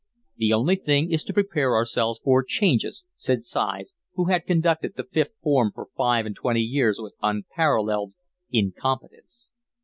"The only thing is to prepare ourselves for changes," said Sighs, who had conducted the fifth form for five and twenty years with unparalleled incompetence.